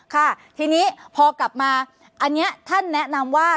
ค่ะทีนี้พอกลับมาอันนี้ท่านแนะนำว่า